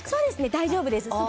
大丈夫です。